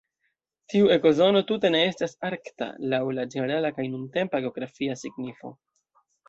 Tiu ekozono tute ne estas "arkta" laŭ la ĝenerala kaj nuntempa geografia signifo.